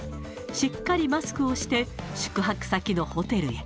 しっかりマスクをして、宿泊先のホテルへ。